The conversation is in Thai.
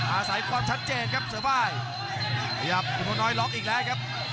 อาศัยความชัดเจนครับเสือฝ่ายพยายามคุณพลน้อยล๊อคอีกแล้วครับ